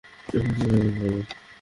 মা কি ভাবে পারবে?